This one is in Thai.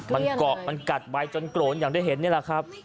มันเกาะมันกัดไปจนโกรนอย่างได้เห็นนี่แหละครับ